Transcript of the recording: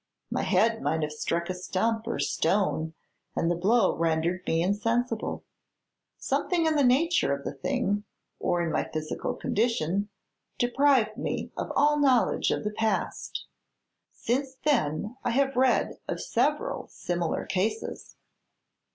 My head might have struck a stump or stone and the blow rendered me insensible. Something in the nature of the thing, or in my physical condition, deprived me of all knowledge of the past. Since then I have read of several similar cases.